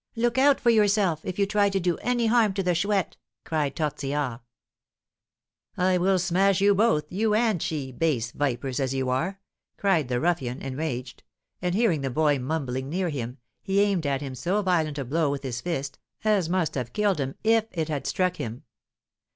"Look out for yourself, if you try to do any harm to the Chouette!" cried Tortillard. "I will smash you both you and she base vipers as you are!" cried the ruffian, enraged; and, hearing the boy mumbling near him, he aimed at him so violent a blow with his fist, as must have killed him if it had struck him.